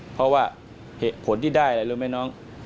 เพราะว่าเหตุผลที่ได้อะไรรู้ไหมน้อง